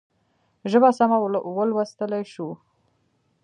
ژبه سمه ولوستلای شو.